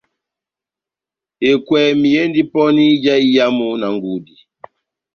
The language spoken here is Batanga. Ekwɛmi endi pɔni ija iyamu na ngudi